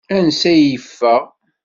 Ansa i yeffeɣ?